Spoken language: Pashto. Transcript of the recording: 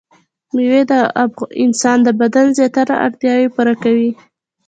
مېوې د انسان د بدن زياتره اړتياوې پوره کوي.